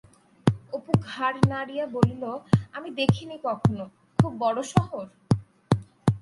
অপু ঘাড় নাড়িয়া বলিল, আমি দেখিনি কখনো— খুব বড় শহর?